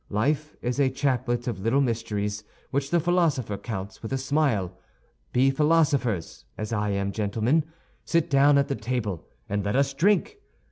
Life is a chaplet of little miseries which the philosopher counts with a smile. Be philosophers, as I am, gentlemen; sit down at the table and let us drink.